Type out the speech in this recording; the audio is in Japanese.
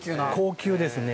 高級ですね。